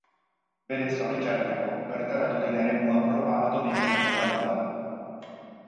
Bere zoritxarrerako, bertaratu den eremua proba atomikoen kokalekua da.